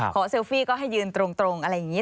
เซลฟี่ก็ให้ยืนตรงอะไรอย่างนี้